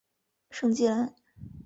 圣基兰。